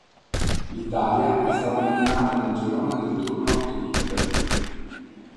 L'Italia è stata eliminata nel girone del turno Elite.